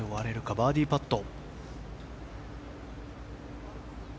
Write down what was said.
バーディーパット。